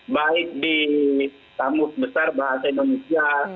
baik di tamu sebesar bahasa indonesia